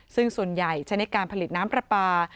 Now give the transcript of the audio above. ซึ่งส่วนใหญ่ใช้ในการผลิตน้ำปลาปลา